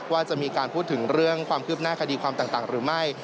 ว่าจะมีการพูดถึงเรื่องความคืบหน้าคดีความต่างหรือไม่